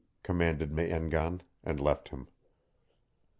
commanded Me en gan, and left him.